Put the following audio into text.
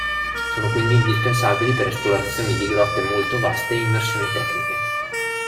Sono quindi indispensabili per esplorazioni di grotte molto vaste e immersioni tecniche.